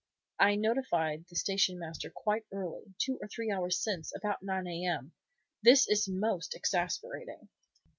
"I notified the station master quite early, two or three hours since, about 9 A.M. This is most exasperating!"